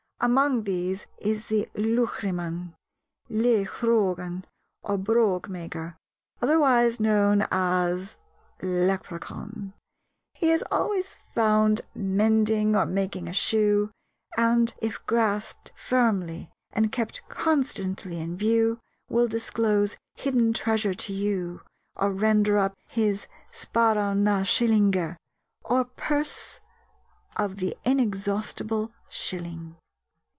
Among these is the Luchryman (Leithphrogan), or brogue maker, otherwise known as Leprechaun. He is always found mending or making a shoe, and, if grasped firmly and kept constantly in view, will disclose hidden treasure to you, or render up his sparan na sgillinge, or purse of the (inexhaustible) shilling.